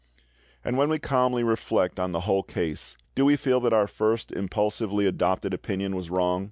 And when we calmly reflect on the whole case, do we feel that our first impulsively adopted opinion was wrong?